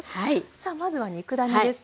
さあまずは肉ダネですね。